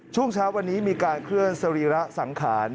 ช่วงเช้าวันนี้มีการเคลื่อนสรีระสังขาร